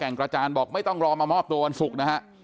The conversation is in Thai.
แก่งกระจารบอกไม่ต้องรอมามอบตัววันศุกร์